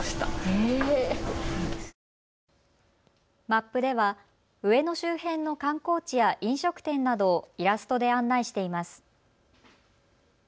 マップでは上野周辺の観光地や飲食店などをイラストで案内しています。